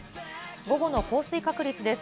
午後の降水確率です。